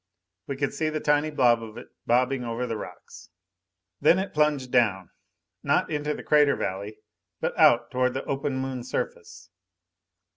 We could see the tiny blob of it bobbing over the rocks. Then it plunged down not into the crater valley, but out toward the open Moon surface.